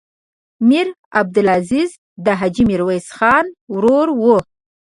میر عبدالعزیز د حاجي میرویس خان ورور و.